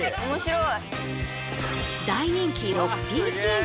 大人気６Ｐチーズ。